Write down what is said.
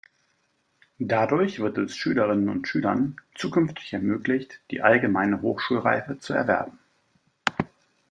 Dadurch wird es Schülerinnen und Schülern zukünftig ermöglicht, die Allgemeine Hochschulreife zu erwerben.